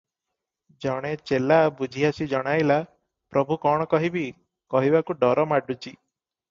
ଜଣେ ଚେଲା ବୁଝି ଆସି ଜଣାଇଲା, "ପ୍ରଭୁ! କଣ କହିବି, କହିବାକୁ ଡର ମାଡୁଛି ।